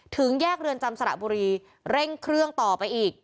ถึงแยกเรือนจำสระบุรีเร่งเครื่องต่อไปอีก